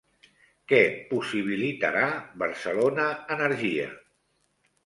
Què possibilitarà Barcelona Energia?